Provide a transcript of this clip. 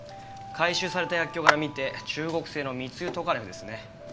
回収された薬莢から見て中国製の密輸トカレフですね。